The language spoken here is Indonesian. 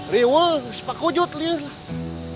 riwo sepak kujut liat